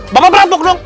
bapak perampok dong